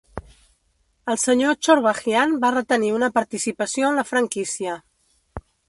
El Sr Chorbajian va retenir una participació en la franquícia.